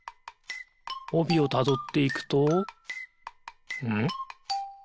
おびをたどっていくとんっ？